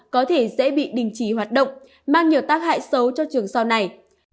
có thể sẽ bị đình trí hoạt động mang nhiều tác hại xấu cho trường sau này